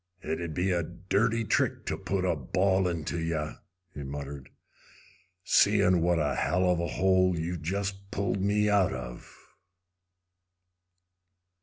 "It'd be a dirty trick to put a ball into yeh," he muttered, "seein' what a hell of a hole you've just pulled me out of!"